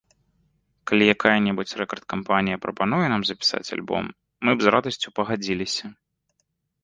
Калі якая-небудзь рэкард-кампанія прапануе нам запісаць альбом, мы б з радасцю пагадзіліся.